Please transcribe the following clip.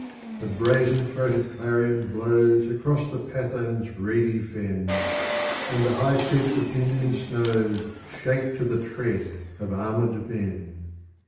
The brazen throated clarion blows Across the Pathan's reedy fen, And the high steeps of Indian snows Shake to the tread of armèd men.